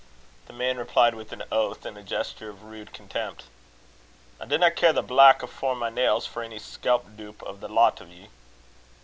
The man replied, with an oath and a gesture of rude contempt, "I dinna care the black afore my nails for ony skelp doup o' the lot o' ye."